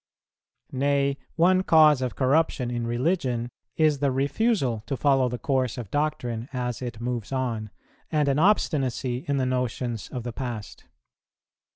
Nay, one cause of corruption in religion is the refusal to follow the course of doctrine as it moves on, and an obstinacy in the notions of the past.